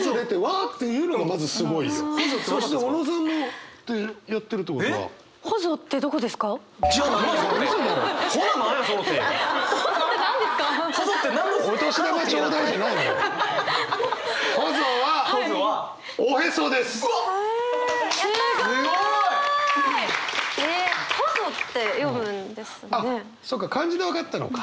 あっそっか漢字で分かったのか。